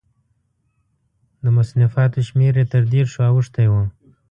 د مصنفاتو شمېر یې تر دېرشو اوښتی و.